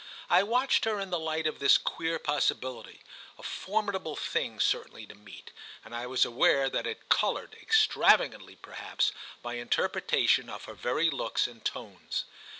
I watched her in the light of this queer possibility—a formidable thing certainly to meet—and I was aware that it coloured, extravagantly perhaps, my interpretation of her very looks and tones.